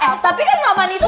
eh tapi kan roman itu